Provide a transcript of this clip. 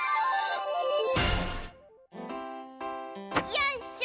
よいしょ！